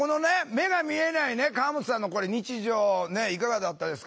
目が見えない川本さんのこれ日常いかがだったですか？